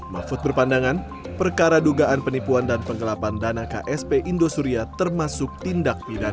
mahfud berpandangan perkara dugaan penipuan dan penggelapan dana ksp indosuria termasuk tindak pidana